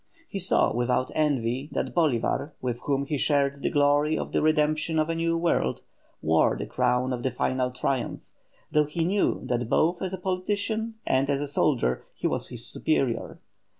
He saw without envy that Bolívar, with whom he shared the glory of the redemption of a new world, wore the crown of the final triumph, though he knew that both as a politician and as a soldier he was his superior.